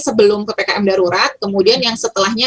sebelum ppkm darurat kemudian yang setelahnya